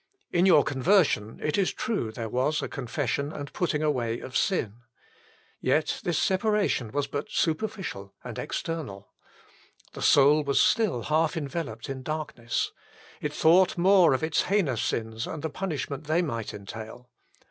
In your conversion, it is true, there was a confession and putting away of sin. Yet this separation was but superficial and external. The soul was still half enveloped in darkness : it thought more of its heinous sins and the punishment they might entail.